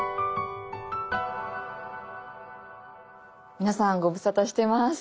皆さんご無沙汰してます。